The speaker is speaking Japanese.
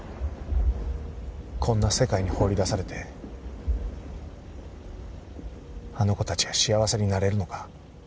こんな世界に放り出されてあの子たちが幸せになれるのか？